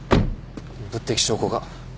物的証拠が。